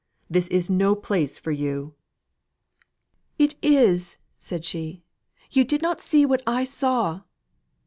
"This is no place for you." "It is," said she. "You did not see what I saw."